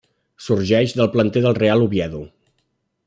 Sorgeix del planter del Real Oviedo.